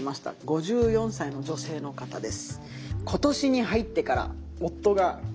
５４歳の女性の方です。